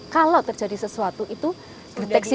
kalau terjadi sesuatu itu deteksi